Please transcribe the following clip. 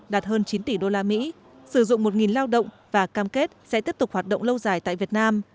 đạt hơn chín tỷ đô la mỹ sử dụng một lao động và cam kết sẽ tiếp tục hoạt động lâu dài tại việt nam